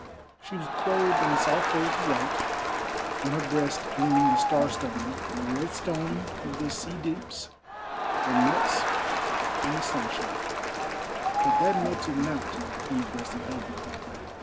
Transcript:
She was clothed in soft folds of white; on her breast gleamed the Starstone, the red stone of the sea deeps that melts in the sunshine, but that melted not on the breast of Helen.